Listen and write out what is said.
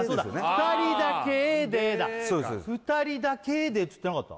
「二人だけで」だ「二人だけで」っつってなかった？